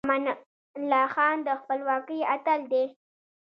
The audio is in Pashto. امان الله خان د خپلواکۍ اتل دی.